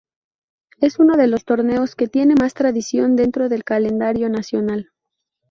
Es uno de los torneos que tiene más tradición dentro del calendario nacional.